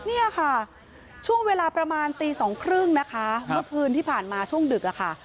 เนี่ยค่ะช่วงเวลาประมาณตีสองครึ่งนะคะเมื่อคืนที่ผ่านมาช่วงดึกอะค่ะ